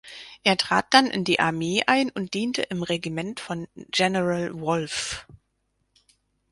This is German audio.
Er trat dann in die Armee ein und diente im Regiment von General Wolfe.